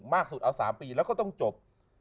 มากสุดเอาสามปีแล้วก็ต้องจบ